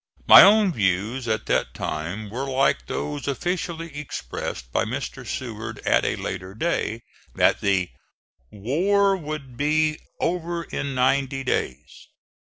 My own views at that time were like those officially expressed by Mr. Seward at a later day, that "the war would be over in ninety days."